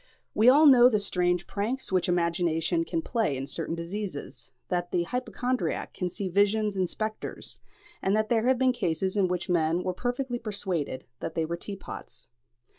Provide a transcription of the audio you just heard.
We all know the strange pranks which imagination can play in certain diseases; that the hypochondriac can see visions and spectres; and that there have been cases in which men were perfectly persuaded that they were teapots.